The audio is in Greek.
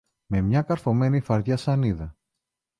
με μια καρφωμένη φαρδιά σανίδα.